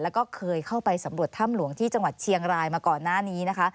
แล้วก็เคยเข้าไปสำรวจถ้ำหลวงที่จังหวัดเชียงรายมาก่อนหน้านี้นะคะ